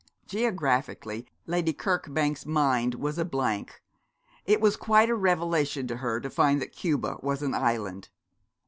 Geographically, Lady Kirkbank's mind was a blank. It was quite a revelation to her to find that Cuba was an island.